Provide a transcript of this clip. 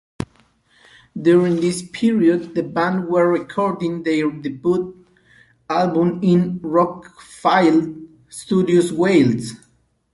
During this period, the band were recording their debut album in Rockfield Studios, Wales.